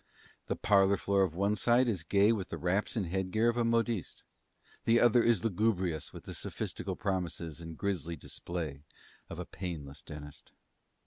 The parlor floor of one side is gay with the wraps and head gear of a modiste; the other is lugubrious with the sophistical promises and grisly display of a painless dentist.